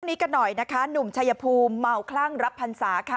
นี้กันหน่อยนะคะหนุ่มชายภูมิเมาคลั่งรับพรรษาค่ะ